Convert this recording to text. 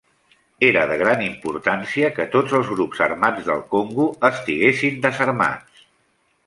Era de gran importància que tots els grups armats del Congo estiguessin desarmats.